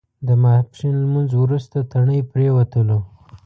د ماسپښین لمونځ وروسته تڼۍ پرېوتلو.